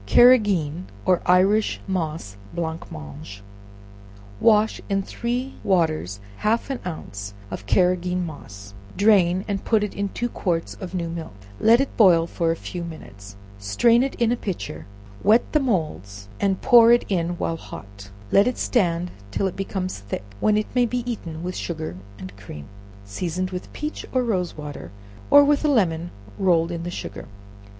Carrageen or Irish Moss Blancmange. Wash in three waters half an ounce of Carrageen moss; drain and put it in two quarts of new milk, let it boil for a few minutes, strain it in a pitcher, wet the moulds, and pour it in while hot; let it stand till it becomes thick, when it may be eaten with sugar and cream, seasoned with peach or rose water, or with a lemon rolled in the sugar.